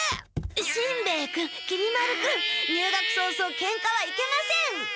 しんべヱ君きり丸君入学早々ケンカはいけません。